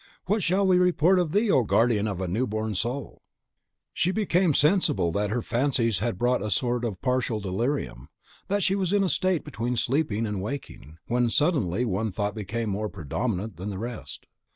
What shall we report of thee, O guardian of a new born soul?" She became sensible that her fancies had brought a sort of partial delirium, that she was in a state between sleep and waking, when suddenly one thought became more predominant than the rest.